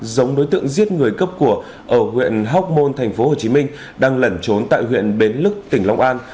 giống đối tượng giết người cấp của ở huyện hóc môn tp hcm đang lẩn trốn tại huyện bến lức tỉnh long an